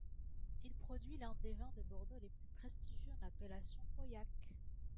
Il produit l'un des vins de Bordeaux les plus prestigieux, en appellation pauillac.